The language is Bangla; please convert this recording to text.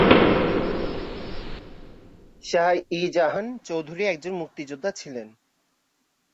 শাহ ই জাহান চৌধুরী একজন মুক্তিযোদ্ধা ছিলেন।